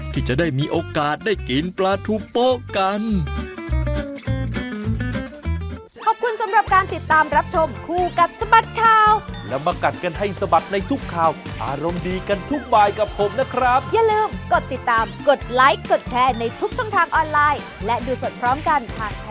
ที่จะได้มีโอกาสได้กินปลาทูโป๊ะกัน